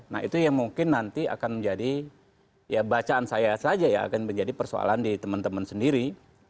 nah itu yang mungkin nanti akan menjadi ya bacaan saya saja ya akan menjadi persoalan di teman teman sendiri